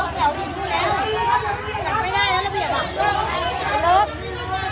เดี๋ยวตำรวจมา